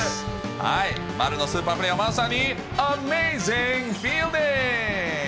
丸のスーパープレーは、まさにアメージングフィールディング！